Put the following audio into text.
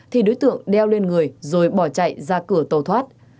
thì đối tượng đeo lên người rồi bỏ chạy ra cửa tàu thoát